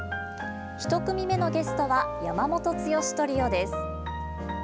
１組目のゲストは山本剛トリオです。